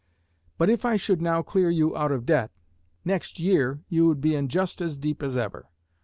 But if I should now clear you out of debt, next year you would be in just as deep as ever.